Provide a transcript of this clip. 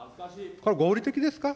これ、合理的ですか。